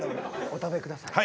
お食べください。